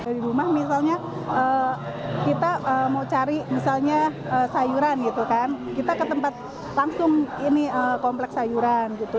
di rumah misalnya kita mau cari misalnya sayuran gitu kan kita ke tempat langsung ini kompleks sayuran gitu